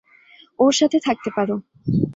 ওর সাথে থাকতে পারো।